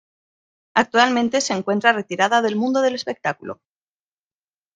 Actualmente se encuentra retirada del mundo del espectáculo.